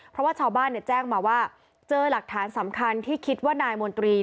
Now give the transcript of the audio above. เพราะว่าชาวบ้านแจ้งมาว่าเจอหลักฐานสำคัญที่คิดว่านายมนตรี